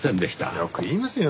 よく言いますよ。